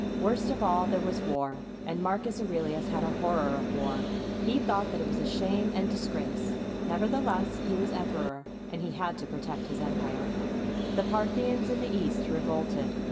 Worst of all, there was war; and Marcus Aurelius had a horror of war. He thought that it was a shame and dis grace. Nevertheless, he was emperor, and he had to protect his empire. The Parthians in the East revolted.